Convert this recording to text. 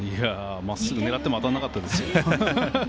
まっすぐ狙っても当たんなかったです。